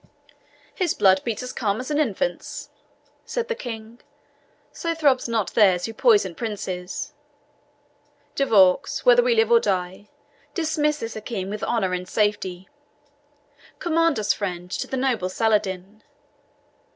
"His blood beats calm as an infant's," said the King; "so throbs not theirs who poison princes. De Vaux, whether we live or die, dismiss this Hakim with honour and safety. Commend us, friend, to the noble Saladin.